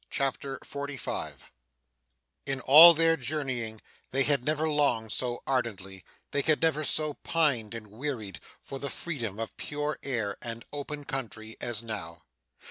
CHAPTER 45 In all their journeying, they had never longed so ardently, they had never so pined and wearied, for the freedom of pure air and open country, as now.